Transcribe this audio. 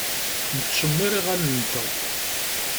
Nettcemmiṛ iɣallen-nteɣ.